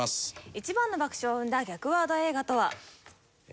一番の爆笑を生んだ逆ワード映画とは？